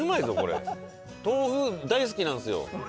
豆腐大好きなんですよ。